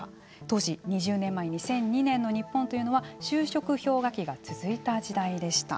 当時２０年前２００２年の日本というのは就職氷河期が続いた時代でした。